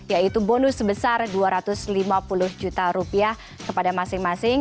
yaitu bonus sebesar dua ratus lima puluh juta rupiah kepada masing masing